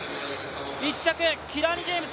１着、キラニ・ジェームス